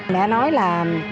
mẹ nói là